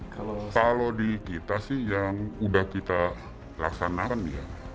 kalau di kita sih yang udah kita laksanakan ya